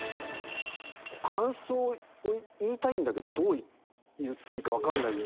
感想を言いたいんだけどどう言っていいか分かんない。